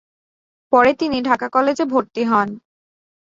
পরে তিনি ঢাকা কলেজে ভর্তি হন।